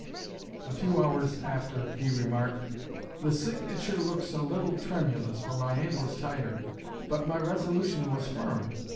A few hours after, he remarked: "The signature looks a little tremulous, for my hand was tired; but my resolution was firm.